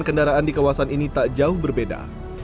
kendaraan di kawasan ini tak jauh berbeda